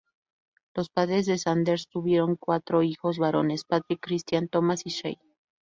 Los padres de Sanders tuvieron cuatro hijos varones, Patrick, Christian, Thomas y Shae.